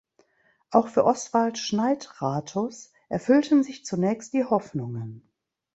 Auch für Oswald Schneidratus erfüllten sich zunächst die Hoffnungen.